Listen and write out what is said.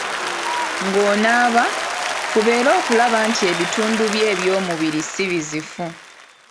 Ng'onaaba, fuba era okulaba nti ebitundu byo ebyomubiri si bizifu.